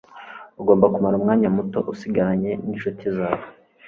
ugomba kumara umwanya muto usigaranye ninshuti zawe